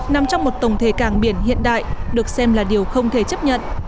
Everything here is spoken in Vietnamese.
năm trong một tổng thể cảng biển hiện đại được xem là điều không thể chấp nhận